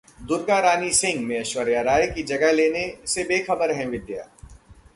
'दुर्गा रानी सिंह' में ऐश्वर्या राय की जगह लेने से बेखबर हैं विद्या